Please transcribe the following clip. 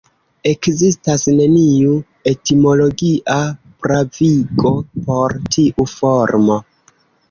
Ekzistas neniu etimologia pravigo por tiu formo.